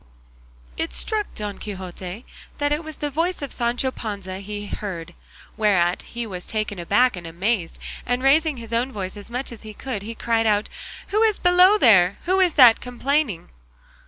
It struck Don Quixote that it was the voice of Sancho Panza he heard, whereat he was taken aback and amazed, and raising his own voice as much as he could, he cried out, "Who is below there? Who is that complaining?"